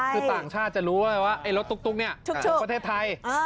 คือต่างชาติจะรู้ว่าไอ้รถตุ๊กเนี่ยถึงประเทศไทย